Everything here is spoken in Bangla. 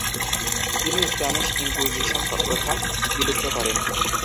তিনি স্প্যানিশ ইনকুইজিশন প্রথা বিলুপ্ত করেন।